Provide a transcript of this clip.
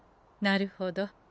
なるほど。